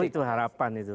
itu harapan itu